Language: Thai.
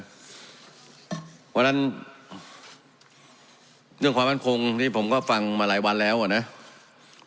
เพราะฉะนั้นเรื่องความมั่นคงที่ผมก็ฟังมาหลายวันแล้วอ่ะนะ